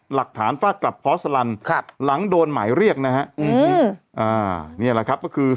หลักฐานฟาดกลับพสลันหลังโดนหมายเรียกนะฮะอือนี่แหละครับก็คือ